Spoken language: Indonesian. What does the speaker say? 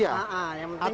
iya yang penting